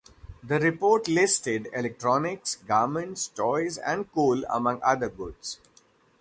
The report listed electronics, garments, toys and coal among other goods.